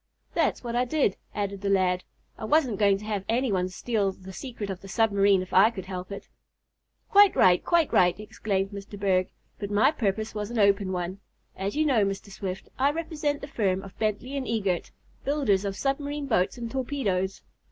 "That's what I did," added the lad. "I wasn't going to have any one steal the secret of the submarine if I could help it." "Quite right! Quite right!" exclaimed Mr. Berg. "But my purpose was an open one. As you know, Mr. Swift, I represent the firm of Bentley & Eagert, builders of submarine boats and torpedoes.